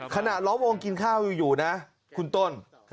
ล้อมวงกินข้าวอยู่นะคุณต้น